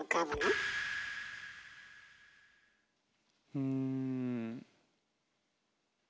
うん。